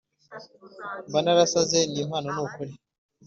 Mba narasaze nimpamo nukuri..